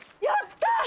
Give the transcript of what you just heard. やった！